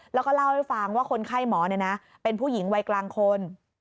แล้วก็เล่าให้ฟังว่าคนไข้หมอเป็นผู้หญิงวัยกลางคน